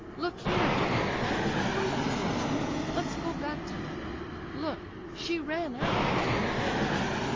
Look here, dear old father, come back home! Let's go back to mother. Look, she ran after us when we came out.